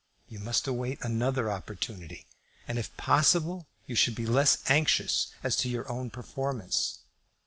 You must await another opportunity; and, if possible, you should be less anxious as to your own performance.